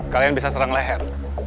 kalian bisa serang leher